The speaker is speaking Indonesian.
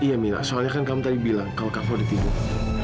yes mila soalnya kan kamu tadi bilang kalo kak fah udah tidur